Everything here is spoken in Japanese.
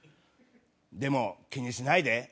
でも気にしないで。